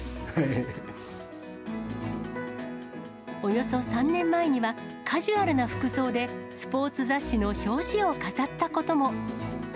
およそ３年前には、カジュアルな服装でスポーツ雑誌の表紙を飾ったことも。